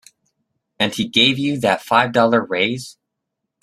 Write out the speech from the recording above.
And he gave you that five dollar raise.